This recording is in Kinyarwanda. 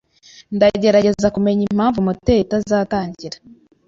Ndagerageza kumenya impamvu moteri itazatangira.